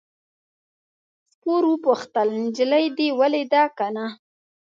سپور وپوښتل نجلۍ دې ولیده که نه.